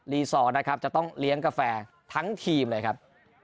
ซอร์นะครับจะต้องเลี้ยงกาแฟทั้งทีมเลยครับ